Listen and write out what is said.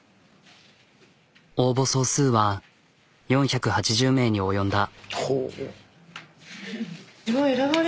応募総数は４８０名に及んだ。